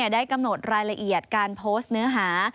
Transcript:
ได้กำหนดรายละเอียดการโพสต์เนื้อหา